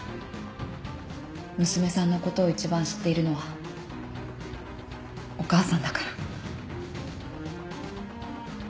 娘さんのことを一番知っているのはお母さんだから。